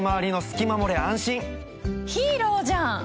ヒーローじゃん！